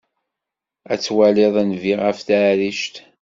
Ad twaliḍ nnbi ɣef taɛrict.